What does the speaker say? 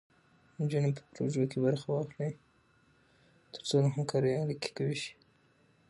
نجونې په پروژو کې برخه واخلي، تر څو د همکارۍ اړیکې قوي شي.